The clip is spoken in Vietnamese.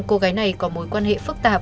cô gái này có mối quan hệ phức tạp